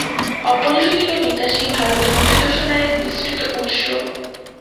অপরিশোধিত নিকাশী ভারতে নদী দূষণের এক বিস্তৃত উত্স।